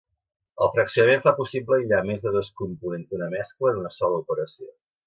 El fraccionament fa possible aïllar més de dos components d'una mescla en una sola operació.